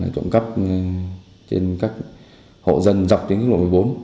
trộm cấp trên các hộ dân dọc đến các lộ một mươi bốn